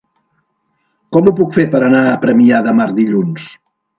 Com ho puc fer per anar a Premià de Mar dilluns?